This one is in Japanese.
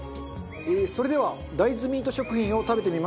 それでは大豆ミート食品を食べてみましょう。